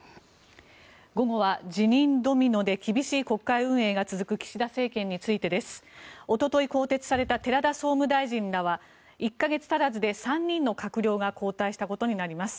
午後は、辞任ドミノで厳しい国会運営が続く岸田政権についてです。おととい更迭された寺田総務大臣らは１か月足らずで３人の閣僚が交代したことになります。